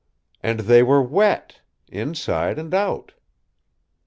And they were wet, inside and out.